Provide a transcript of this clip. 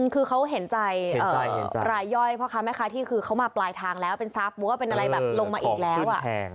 คือเขาเห็นใจรายย่อยพ่อค้าแม่ค้าที่คือเขามาปลายทางแล้วเป็นทรัพย์หรือว่าเป็นอะไรแบบลงมาอีกแล้ว